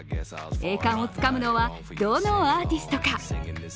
栄冠をつかむのは、どのアーティストか。